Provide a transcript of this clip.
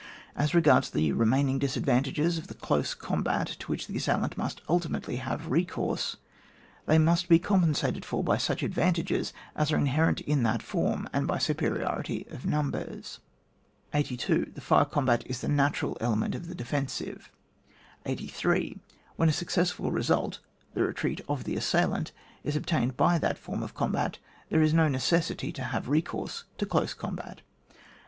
As regards the remaining disadvantages of the close com. bat, to which the assailant must ultimately have recourse, they must be compensated for by such advantages as are inherent in that form, and by superiority of numbers. 82. The fire combat is the natural ele ment of the defensive. 88. When a successfiJ result (the re treat of the assailant) is obtained by that form of combat, there is no necessity to have recourse to close combat. 84.